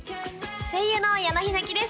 声優の矢野妃菜喜です